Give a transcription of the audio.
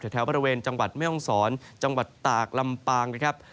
แถวบริเวณจังหวัดแม่ห้องศรจังหวัดตากลำปางนะครับ